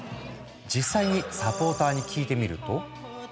実際にサポーターに聞いてみると。